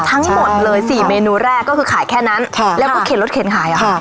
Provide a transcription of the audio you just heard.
ทั้งหมดเลย๔เมนูแรกก็คือขายแค่นั้นแล้วก็เข็นรถเข็นขายค่ะ